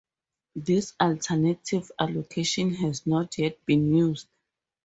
This alternative allocation has not yet been used.